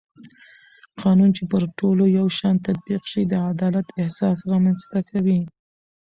قانون چې پر ټولو یو شان تطبیق شي د عدالت احساس رامنځته کوي